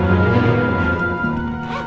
mengantarkan amplop pak